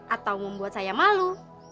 atau membuat saya malu